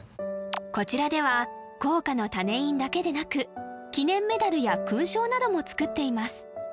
こちらでは硬貨の種印だけでなく記念メダルや勲章などもつくっています